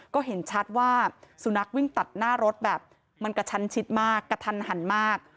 ก็เห็นชัดว่าสุนัขวิ่งตัดหน้ารถแบบมันกระชั้นชิดมากกระทันหันมาก